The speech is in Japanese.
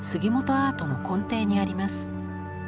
アートの根底にあります。